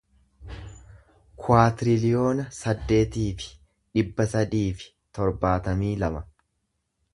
kuwaatiriliyoona saddeetii fi dhibba sadii fi torbaatamii lama